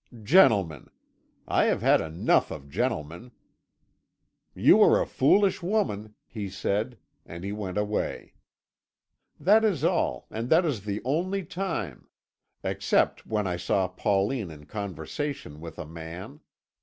Gentlemen! I have had enough of gentlemen!' 'You are a foolish woman,' he said, and he went away. That is all, and that is the only time except when I saw Pauline in conversation with a man.